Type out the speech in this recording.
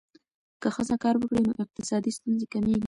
که ښځه کار وکړي، نو اقتصادي ستونزې کمېږي.